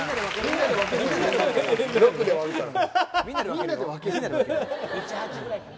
みんなで分けるから。